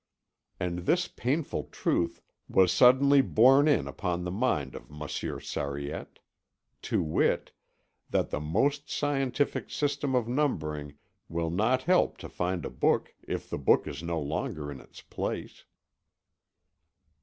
And this painful truth was suddenly borne in upon the mind of Monsieur Sariette: to wit, that the most scientific system of numbering will not help to find a book if the book is no longer in its place.